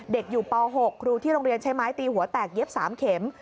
เด็กอยู่ป๖ครูที่โรงเรียนใช้ไม้ตีหัวแตกเย็บ๓เข็ม